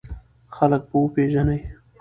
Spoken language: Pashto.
خلک به وپېژنې!